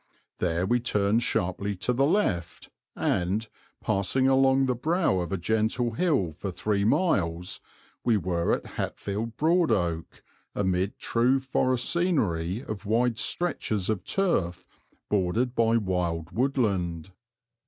There we turned sharply to the left and, passing along the brow of a gentle hill for three miles, we were at Hatfield Broad Oak, amid true forest scenery of wide stretches of turf bordered by wild woodland.